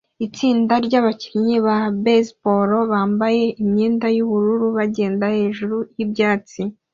Itsinda ryabakinnyi ba baseball bambaye imyenda yubururu bagenda hejuru yibyatsi